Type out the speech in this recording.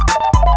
kau mau kemana